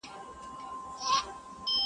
چي یې ګډ وي اخترونه چي شریک یې وي جشنونه٫